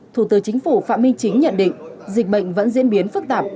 thủ tướng chính phủ phạm minh chính nhận định dịch bệnh vẫn diễn biến phức tạp